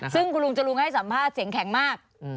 ซึ่งคุณลุงจรูนให้สัมภาษณ์เสียงแข็งมาก